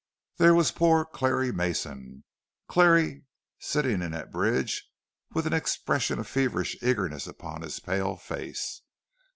There was poor Clarrie Mason: Clarrie, sitting in at bridge, with an expression of feverish eagerness upon his pale face.